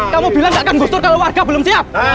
kamu bilang tidak akan digusur kalau warga belum siap